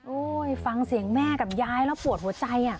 ฟังเสียงแม่กับยายแล้วปวดหัวใจ